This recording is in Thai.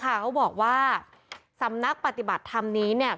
เขาบอกว่าสำนักปฏิบัติธรรมนี้เนี่ย